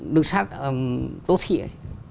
được sát tốt thiệt